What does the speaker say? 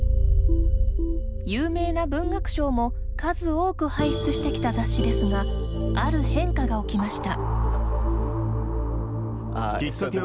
有名な文学賞も数多く輩出してきた雑誌ですがある変化が起きました。